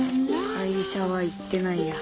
会社は行ってないや。